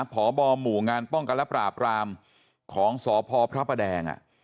ผอหมู่งานป้องกันและปราบรามของสอพพระแดงอ่ะ